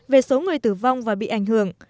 về số người tử vong và bị ảnh hưởng